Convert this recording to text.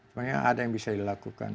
sebenarnya ada yang bisa dilakukan